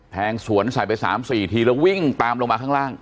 แทงสวนใส่ไป๓๔ทีแล้ววิ่งตามลงมาข้างล่าง